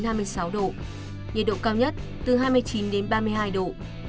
nhiệt độ cao nhất từ hai mươi chín đến ba mươi hai độ